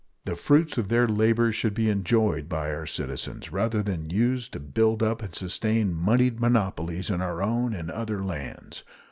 The fruits of their labors should be enjoyed by our citizens rather than used to build up and sustain moneyed monopolies in our own and other lands.